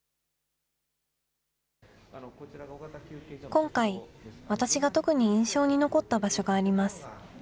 今回、私が特に印象に残った場所があります。